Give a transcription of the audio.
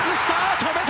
止めた！